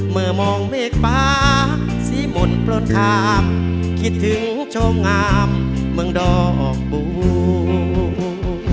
เมื่อมองเมฆป่าสีหมดโปรดขาบคิดถึงโชว์งามเมืองดอกบู